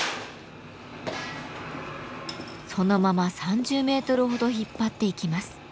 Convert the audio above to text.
そのまま３０メートルほど引っ張っていきます。